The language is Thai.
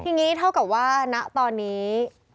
ทีนี้เท่ากับว่าณตอนนี้